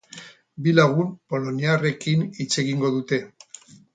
Bi lagun poloniarrekin hitz egingo dute.